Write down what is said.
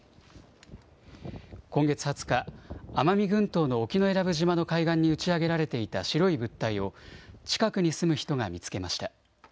今月２０日奄美群島の沖永良部島の海岸に打ち上げられていた白い物体を近くに住む人が見つけました。